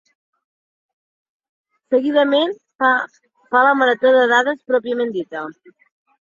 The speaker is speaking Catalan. Seguidament, es fa la marató de dades pròpiament dita.